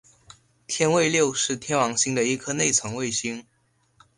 天卫六是天王星的一颗内层卫星。